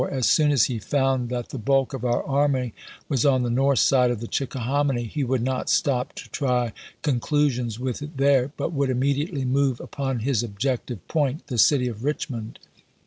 as soon as he found that the bulk of our army was on the north side of the Chickahominy he would not stop to try conclusions with it there, but would immediately move upon his objective point, the city of Richmond.